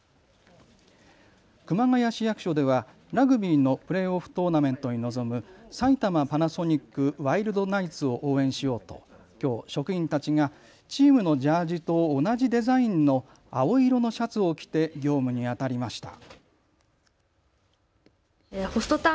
熊谷市役所ではラグビーのプレーオフトーナメントに臨む埼玉パナソニックワイルドナイツを応援しようときょう職員たちがチームのジャージと同じデザインの青色のシャツを着て業務にあたりました。